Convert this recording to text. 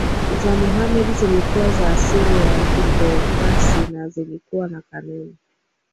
za Mohammed zilikuwa za asili ya kitheokrasi na zilikuwa na kanuni